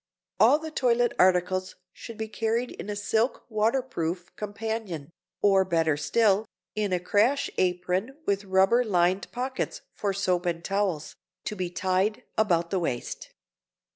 All the toilet articles should be carried in a silk waterproof "companion," or better still, in a crash apron with rubber lined pockets for soap and towels, to be tied about the waist.